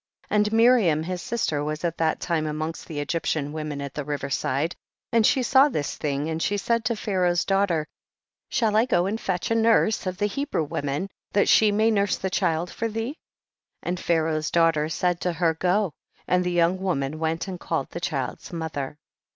21. And Miriam his sister was at that time amongst the Egyptian wo men at the river side, and she saw this thing and she said to Pharaoh's daughter, shall I go and fetch a nurse of the Hebrew women, that she may nurse the child for thee ? 22. And Pharaoh's daughter said to her, go, and the young woman went and called the child's mother.